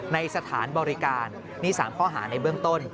ในสถานบริการนี่๓ข้อหาในเบื้องต้น